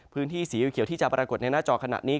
พื้นที่สีเขียวที่จะปรากฏในหน้าจอขณะนี้